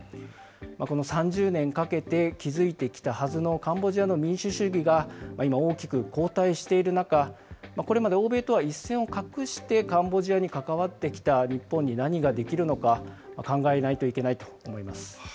この３０年かけて築いてきたはずのカンボジアの民主主義が今、大きく後退している中、これまで欧米とは一線を画してカンボジアに関わってきた日本に何ができるのか、考えないといけないと思います。